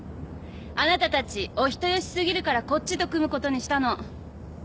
あなたたちお人よしすぎるからこっちと組むことにしたの。